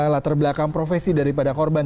latar belakang profesi daripada korban